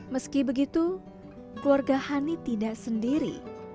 meski begitu keluarga hani tidak sendiri